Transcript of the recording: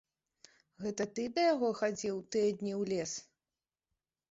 Гэта ты да яго хадзіў тыя дні ў лес?